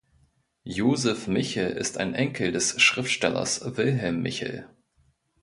Josef Michel ist ein Enkel des Schriftstellers Wilhelm Michel.